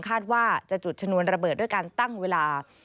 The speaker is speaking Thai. คาดว่าจะจุดชนวนระเบิดด้วยการตั้งเวลา